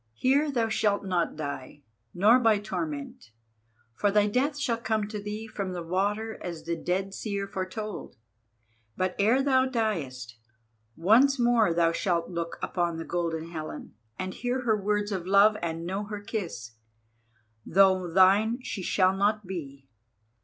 Here thou shalt not die, nor by torment, for thy death shall come to thee from the water as the dead seer foretold, but ere thou diest, once more thou shalt look upon the Golden Helen, and hear her words of love and know her kiss, though thine she shall not be.